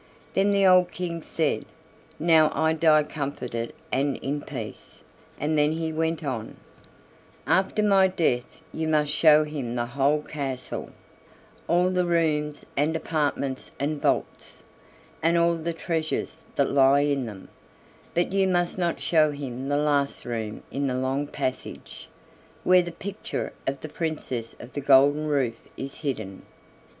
Then the old King said: "Now I die comforted and in peace"; and then he went on: "After my death you must show him the whole castle, all the rooms and apartments and vaults, and all the treasures that lie in them; but you must not show him the last room in the long passage, where the picture of the Princess of the Golden Roof is hidden.